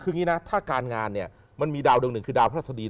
คืออย่างนี้นะถ้าการงานเนี่ยมันมีดาวหนึ่งคือดาวพระราชดี